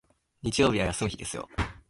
日曜日は休む日ですよ